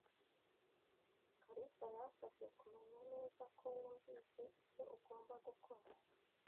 kalisa yansabye kumenya neza ko wunvise icyo ugomba gukora.